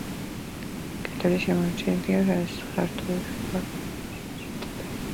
კედლებზე შემორჩენილია სართულშუა გადახურვის კოჭის ბუდეები.